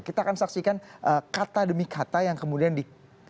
kita akan saksikan kata demi kata yang kemudian di